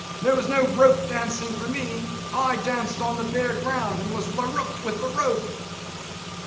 There was no rope dancing for me; I danced on the bare ground and was larruped with the rope.